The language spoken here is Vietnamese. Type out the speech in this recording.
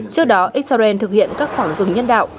trước đó israel thực hiện các khoảng dừng nhân đạo